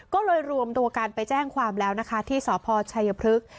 ก็เลยรวมตัวกันไปแจ้งความแล้วนะคะที่สพชัยพฤกษ์